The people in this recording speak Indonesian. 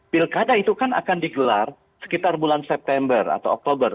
pilkada itu kan akan digelar sekitar bulan september atau oktober